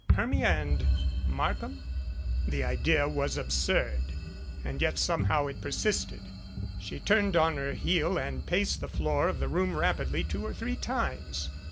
Hermia and Markham? The idea was absurd. And yet somehow it persisted. She turned on her heel and paced the floor of the room rap idly two or three times.